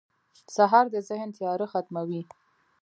سهار د ذهن تیاره ختموي.